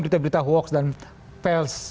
berita berita hoax dan pers